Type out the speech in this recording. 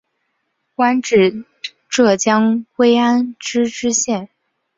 官至浙江归安县知县。